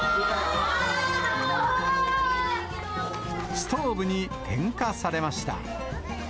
ストーブに点火されました。